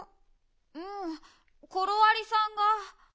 うんコロありさんが。